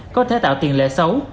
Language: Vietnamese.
có thể tạo tiền lệ xấu